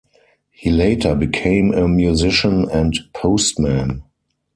He later became a musician and postman.